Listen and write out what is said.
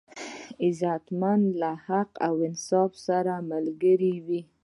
غیرتمند له حق او انصاف سره ملګری وي